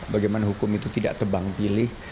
bagaimana hukum itu tidak tebang pilih